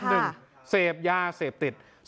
๑เศษยาเศษติด